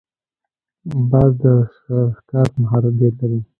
باز د ښکار مهارت ډېر لري